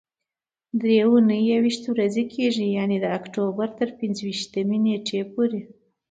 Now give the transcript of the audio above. درې اونۍ یويشت ورځې کېږي، یعنې د اکتوبر تر پنځه ویشتمې نېټې پورې.